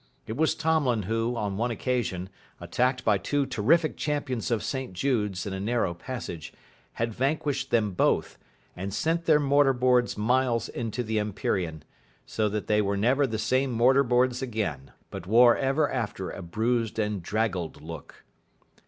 It was Tomlin who, on one occasion, attacked by two terrific champions of St Jude's in a narrow passage, had vanquished them both, and sent their mortar boards miles into the empyrean, so that they were never the same mortar boards again, but wore ever after a bruised and draggled look.